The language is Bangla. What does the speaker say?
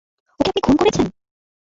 ওকে আপনি খুন করেছেন?